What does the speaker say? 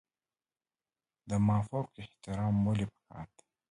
د مافوق احترام ولې پکار دی؟